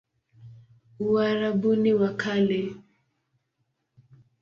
Uarabuni wa Kale